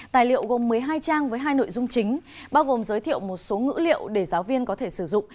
tài liệu gồm một mươi hai trang với hai nội dung chính bao gồm giới thiệu một số ngữ liệu để giáo viên có thể sử dụng